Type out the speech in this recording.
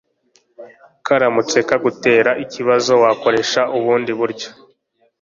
karamutse kagutera ibibazo wakoresha ubundi buryo